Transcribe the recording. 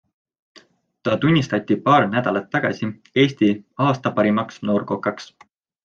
Ta tunnistati paar nädalat tagasi Eesti aasta parimaks noorkokaks.